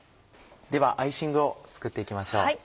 ではアイシングを作って行きましょう。